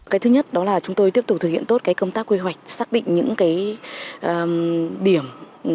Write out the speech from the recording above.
cái thứ nhất đó là chúng tôi tiếp tục thực hiện tốt cái công tác quy hoạch xác định những cái điểm